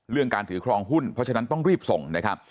การถือครองหุ้นเพราะฉะนั้นต้องรีบส่งนะครับ